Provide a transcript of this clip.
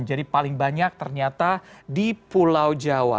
jadi paling banyak ternyata di pulau jawa